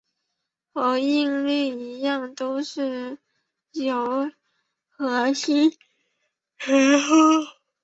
和应力一样都是由柯西提出。